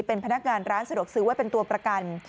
เป็นพนักงานร้านสะดวกซื้อไว้เป็นตัวประกัน